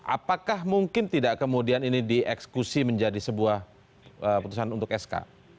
apakah mungkin tidak kemudian ini dieksekusi menjadi sebuah putusan untuk sk